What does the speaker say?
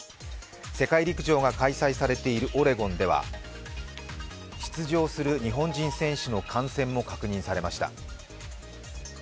世界陸上が開催差されているオレゴンでは出場する日本人選手の感染も確認されました。